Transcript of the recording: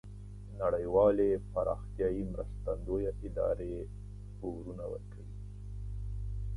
نړیوالې پراختیایې مرستندویه ادارې پورونه ورکوي.